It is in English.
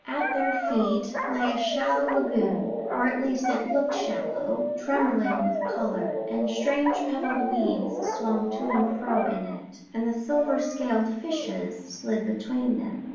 At their feet lay a shallow lagoon or at least it looked shallow trembling with colour; and strange petalled weeds swung to and fro in it, and the silver scaled fishes slid between them.